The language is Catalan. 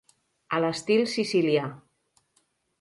A l'estil sicilià.